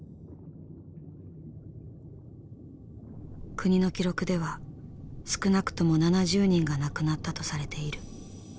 国の記録では少なくとも７０人が亡くなったとされている。